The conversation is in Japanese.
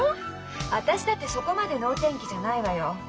私だってそこまでノーテンキじゃないわよ。